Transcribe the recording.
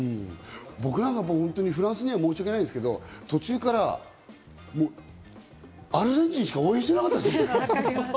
僕なんかフランスには申し訳ないけど、途中からアルゼンチンしか応援してなかったですよ。